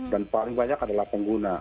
dan paling banyak adalah pengguna